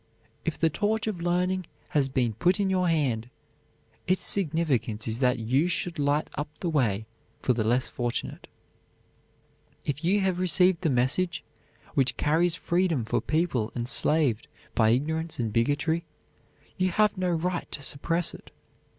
If the torch of learning has been put in your hand, its significance is that you should light up the way for the less fortunate. If you have received a message which carries freedom for people enslaved by ignorance and bigotry, you have no right to suppress it.